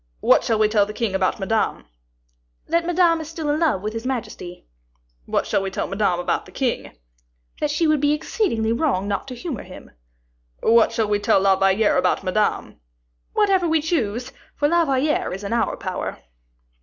"What shall we tell the king about Madame?" "That Madame is still in love with his majesty." "What shall we tell Madame about the king?" "That she would be exceedingly wrong not to humor him." "What shall we tell La Valliere about Madame?" "Whatever we choose, for La Valliere is in our power."